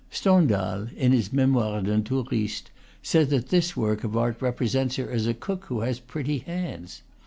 Stendhal, in his "Me moires d'un Touriste," says that this work of art represents her as a cook who has pretty hands.